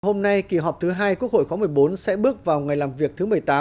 hôm nay kỳ họp thứ hai quốc hội khóa một mươi bốn sẽ bước vào ngày làm việc thứ một mươi tám